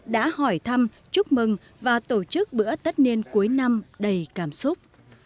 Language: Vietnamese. đã hỏi thăm chúc mừng và tổ chức bữa tất niên cuối năm đầy cảm xúc